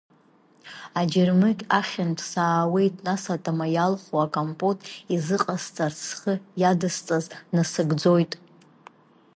Аџьармыкь ахьынтә саауеит нас атама иалху акомпот изыҟасҵарц схы иадысҵаз насыгӡоит.